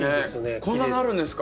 こんななるんですか？